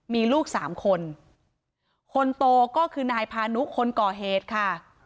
มีลูกสามคนคนโตก็คือนายพานุคนก่อเหตุค่ะ